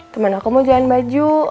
temen aku mau jalan baju